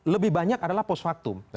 lebih banyak adalah post factum